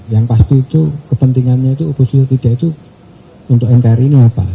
yang pasti itu kepentingannya itu oposisi atau tidak itu untuk nkri ini apa